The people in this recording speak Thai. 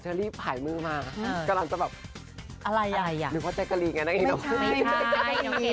เจอรี่หายมือมากำลังจะแบบอะไรอ่ะนึกว่าเจ๊กะลีไงน้องเก๊กไกร